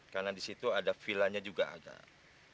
karena disitu ada vilanya juga agak